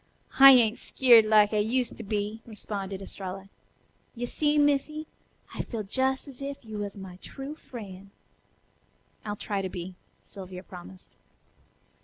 "I ain't skeered like I used to be," responded Estralla. "Yo' see, Missy, I feels jes' as if you was my true fr'en'." "I'll try to be," Sylvia promised.